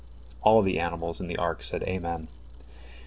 " All the animals in the ark said Amen.